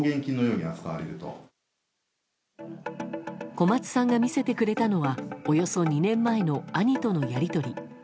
小松さんが見せてくれたのはおよそ２年前の、兄とのやり取り。